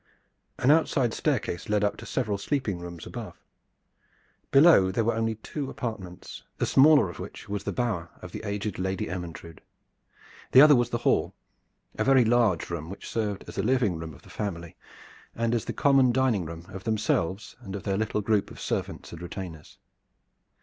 An outside staircase led up to several sleeping rooms above. Below there were only two apartments, the smaller of which was the bower of the aged Lady Ermyntrude. The other was the hall, a very large room, which served as the living room of the family and as the common dining room of themselves and of their little group of servants and retainers.